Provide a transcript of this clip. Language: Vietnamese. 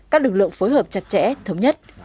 các lực lượng phối hợp chặt chẽ thống nhất